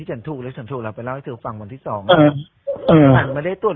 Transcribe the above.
ฉันถูกแล้วไปเล่าให้เธอฟังวันที่สองอืมอืมฉันไม่ได้ตรวจ